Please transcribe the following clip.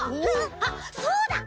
あっそうだ！